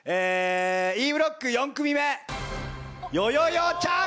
Ｅブロック４組目よよよちゃん！